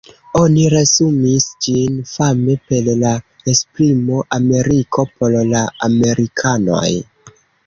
Oni resumis ĝin fame per la esprimo "Ameriko por la amerikanoj".